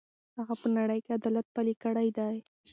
هغه په نړۍ کې عدالت پلی کړی دی.